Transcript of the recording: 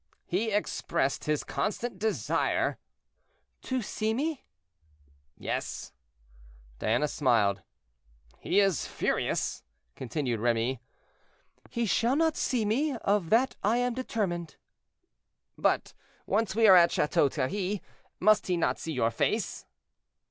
"He expressed his constant desire—" "To see me?" "Yes." Diana smiled. "He is furious," continued Remy. "He shall not see me; of that I am determined." "But once we are at Chateau Thierry, must he not see your face?"